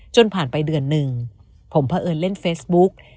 จนผ่านไปเดือนหนึ่งผมเผอิญเล่นเฟซบุ๊ก